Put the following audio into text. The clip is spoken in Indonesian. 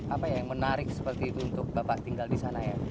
apa ya yang menarik seperti itu untuk bapak tinggal di sana ya